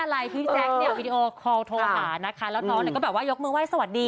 แล้วท้องผู้ชายก็แบบว่ายกเมื่อไหวสวัสดี